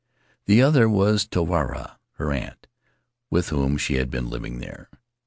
The other was Tuarava, her aunt, with whom she had been living there.